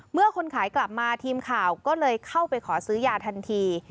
คนขายกลับมาทีมข่าวก็เลยเข้าไปขอซื้อยาทันที